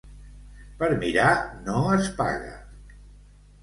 Per mirar no es paga.